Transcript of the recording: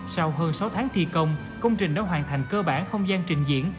sau hơn sáu tháng thi công công trình đã hoàn thành cơ bản không gian trình diễn